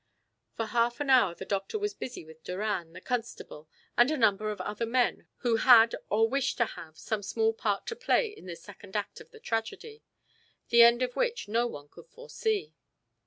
For half an hour the doctor was busy with Doran, the constable, and a number of other men who had or wished to have some small part to play in this second act of the tragedy, the end of which no one could foresee.